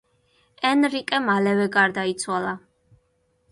ენრიკე მალევე გარდაიცვალა.